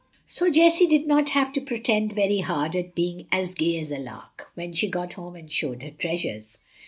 So Jessie did not have to pretend very hard at being "as gay as a lark" when she got home and showed her treasures.